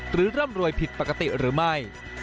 ร่ำรวยผิดปกติหรือไม่